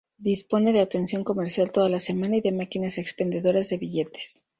Dispone de atención comercial toda la semana y de máquinas expendedoras de billetes.